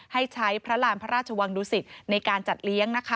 ให้ใช้พระราชวังดุสิตในการจัดเลี้ยง